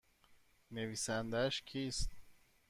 نویسندهاش کیست؟